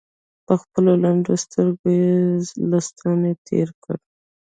پر خپلو لندو سترګو يې لستوڼۍ تېر کړ.